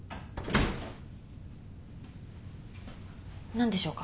何でしょうか？